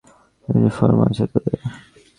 ইউনিফর্মও আছে তোদের!